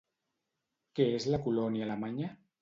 Què és la Colònia Alemanya?